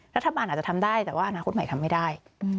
รัฐบาลอาจจะทำได้แต่ว่าอนาคตใหม่ทำไม่ได้